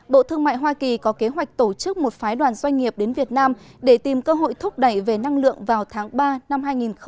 bộ thương mại hoa kỳ có kế hoạch tổ chức một phái đoàn doanh nghiệp đến việt nam để tìm cơ hội thúc đẩy về năng lượng vào tháng ba năm hai nghìn hai mươi